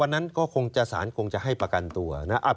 วันนั้นสารคงจะให้ประกันตัวนะครับ